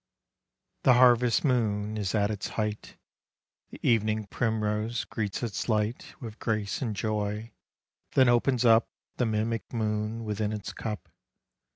THE harvest moon is at its height, The evening primrose greets its light With grace and joy : then opens up The mimic moon within its cup.